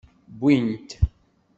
Wwin-t.